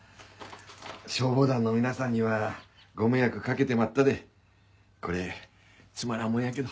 消防団の皆さんにはご迷惑かけてまったでこれつまらんもんやけど。